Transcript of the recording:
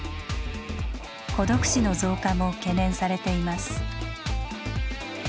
「孤独死」の増加も懸念されています。